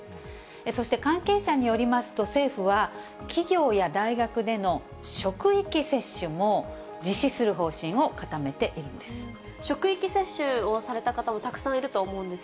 そして、関係者によりますと、政府は企業や大学での職域接種も実施する方針を固めているんです。